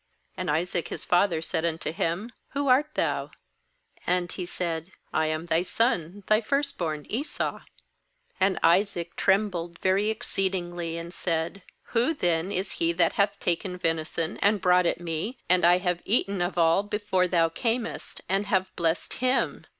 82And Isaac his father said unto him: 'Who art thou?' And he said: 'I am thy son, thy first born, Esau.' 38 And Isaac trembled very exceedingly, and said: ^ 'Who then is he that hath taken venison, and brought it me, and I have eaten of all before thou earnest, and have blessed him?